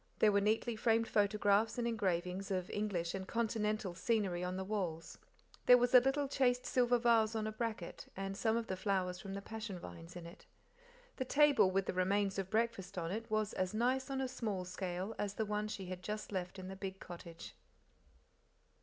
There were neatly framed photographs and engravings of English and Continental scenery on the walls. There was a little chased silver vase on a bracket, and some of the flowers from the passion vines in it. The table with the remains of breakfast on it was as nice on a small scale as the one she had just left in the big cottage.